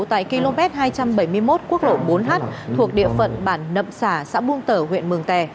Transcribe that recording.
tại km hai trăm bảy mươi một quốc lộ bốn h thuộc địa phận bản nậm sả xã buông tở huyện mường tè